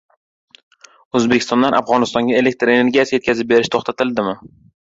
O‘zbekistondan Afg‘onistonga elektr energiyasi yetkazib berish to‘xtatildimi?